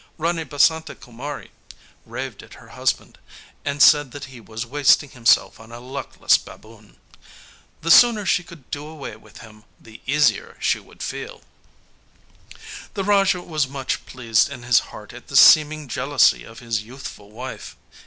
Rani Basanta Kumari raved at her husband, and said that he was wasting himself on a luckless baboon. The sooner she could do away with him, the easier she would feel. The Raja was much pleased in his heart at this seeming jealousy of his youthful wife.